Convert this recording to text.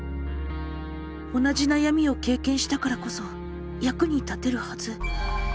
同じ悩みを経験したからこそ役に立てるはず。